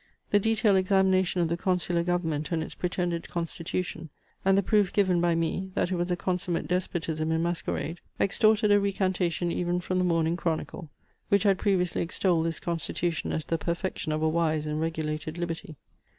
The detailed examination of the consular Government and its pretended constitution, and the proof given by me, that it was a consummate despotism in masquerade, extorted a recantation even from the Morning Chronicle, which had previously extolled this constitution as the perfection of a wise and regulated liberty.